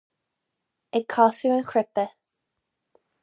Ag casadh an chnaipe.